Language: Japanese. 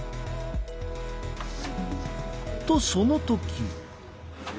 とその時。